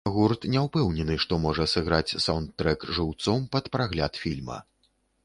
Гурт не ўпэўнены, што можа сыграць саўндтрэк жыўцом пад прагляд фільма.